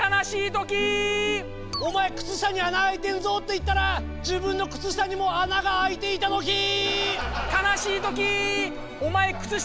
「お前靴下に穴開いてんぞ」って言ったら自分の靴下にも穴が開いていたときー！